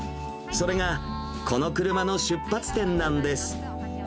それが、この車の出発点なんです。